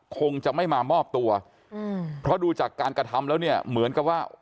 คงจะไม่มามอบตัวอืมเพราะดูจากการกระทำแล้วเนี่ยเหมือนกับว่า